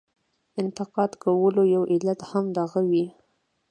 انتقاد کولو یو علت هم دغه وي.